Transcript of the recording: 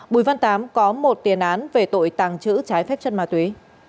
bùi văn tám có một tiền án về tội tàng trữ trái phép chất ma túy